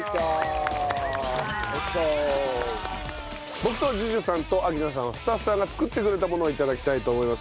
僕とＪＵＪＵさんと明菜さんはスタッフさんが作ってくれたものを頂きたいと思います。